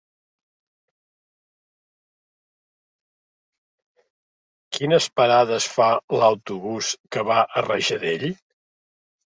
Quines parades fa l'autobús que va a Rajadell?